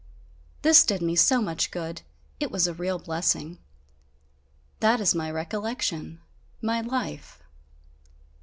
This did me so much good, it was a real blessing! That is my recollection, my life!"